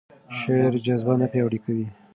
شعر جذبه نه پیاوړې کوي.